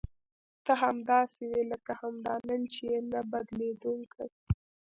ته همداسې وې لکه همدا نن چې یې نه بدلېدونکې.